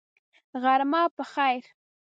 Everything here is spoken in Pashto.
غرمه په خیر !